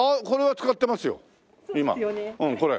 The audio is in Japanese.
これ使ってますよ。